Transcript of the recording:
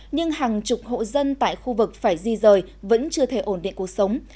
nhưng hàng chục hộ dân tại khu vực phải di rời vẫn chưa thể ổn định cuộc sống